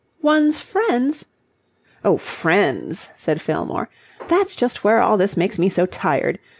"One's friends..." "Oh, friends," said Fillmore. "That's just where all this makes me so tired.